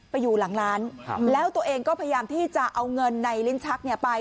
ไปอยู่หลังร้านแล้วตัวเองก็พยายามที่จะเอาเงินในลิ้นชักเนี่ยไป